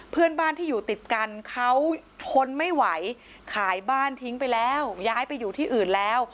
เพื่อนบ้านที่อยู่ติดกันเขาทนไม่ไหวขายบ้านทิ้งไปแล้วย้ายไปอยู่ที่อื่นแล้ว